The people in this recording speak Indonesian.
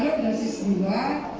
kalau berhasil sebuah